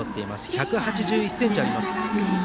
１８１ｃｍあります。